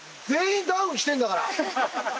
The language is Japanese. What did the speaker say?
全員ダウン着てるんだから。